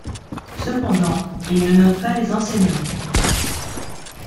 Cependant, il ne note pas les enseignants.